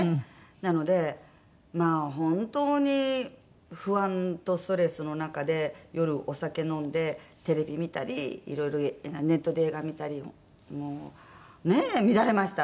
なのでまあ本当に不安とストレスの中で夜お酒飲んでテレビ見たりいろいろネットで映画見たりもうねえ乱れました。